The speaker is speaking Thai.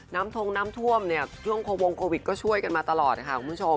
น้ำทงน้ำท่วมเวลาโควงก็ช่วยกันมาตลอดค่ะ